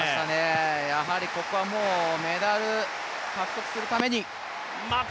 やはりここはメダル獲得するために。